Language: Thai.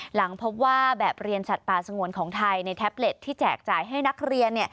หลังพบว่าแบบเรียนสัตว์ป่าสงวนของไทยในแท็บเล็ตที่แจกจ่ายให้นักเรียน